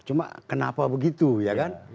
cuma kenapa begitu ya kan